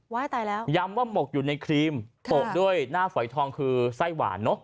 ตายแล้วย้ำว่าหมกอยู่ในครีมโปะด้วยหน้าฝอยทองคือไส้หวานเนอะ